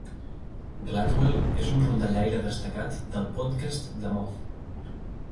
Gladwell és un rondallaire destacat del podcast de Moth.